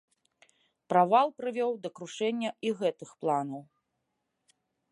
Правал прывёў да крушэння і гэтых планаў.